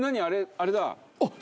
あれだ！